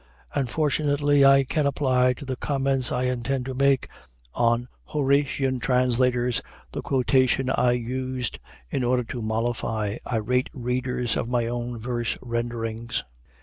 And fortunately I can apply to the comments I intend to make on Horatian translators the quotation I used in order to mollify irate readers of my own verse renderings.